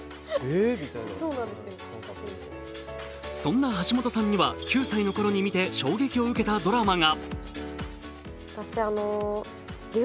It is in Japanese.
そんな橋本さんには９歳のころに見て衝撃を受けたドラマが。